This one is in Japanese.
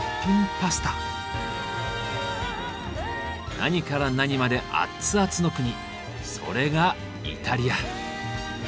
何から何までアッツアツの国それがイタリア！